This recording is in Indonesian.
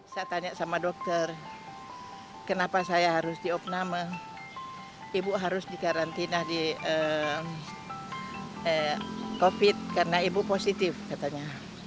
saya tanya sama dokter kenapa saya harus diopname ibu harus dikarantina di covid karena ibu positif katanya